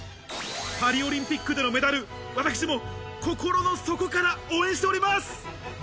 パリオリンピックでのメダル、私も心の底から応援しております。